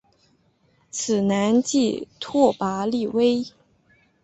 此男即拓跋力微。